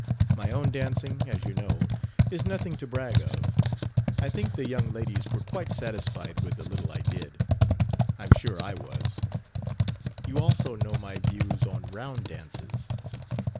My own dancing, as you know, is nothing to brag of: I think the young ladies were quite satisfied with the little I did. I'm sure I was. You also know my views on round dances.